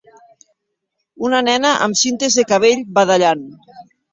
Una nena amb cintes de cabell badallant.